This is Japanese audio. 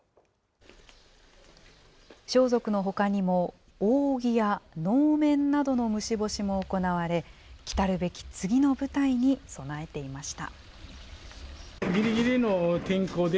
装束のほかにも扇や能面などの虫干しも行われ、きたるべき次の舞台に備えていました。